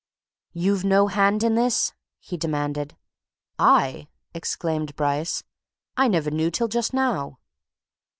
"You've no hand in this?" he demanded. "I?" exclaimed Bryce. "I never knew till just now!"